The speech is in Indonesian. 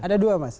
ada dua mas